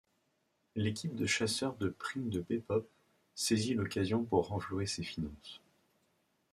L'équipe de chasseurs de prime du Bebop saisit l'occasion pour renflouer ses finances.